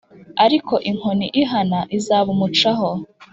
ariko inkoni ihana izabumucaho